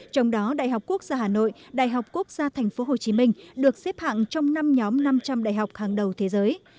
trong đó đại học quốc gia hà nội đại học quốc gia tp hcm được xếp hạng trong năm nhóm năm trăm linh đại học hàng đầu thế giới